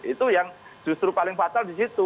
itu yang justru paling fatal di situ